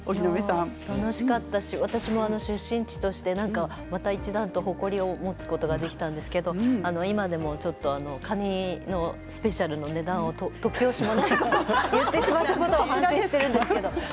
楽しかったし私の出身地としてまた一段と誇りを持つことができたんですけど今でもちょっとカニのスペシャルな値段が突拍子もないことを言ってしまったことを反省しているんですけど。